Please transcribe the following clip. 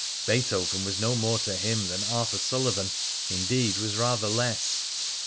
Beethoven was no more to him than Arthur Sullivan; indeed, was rather less.